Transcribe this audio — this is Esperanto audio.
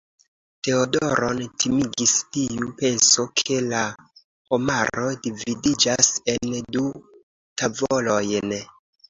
Teodoron timigis tiu penso, ke la homaro dividiĝas en du tavolojn.